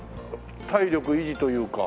体力維持というか。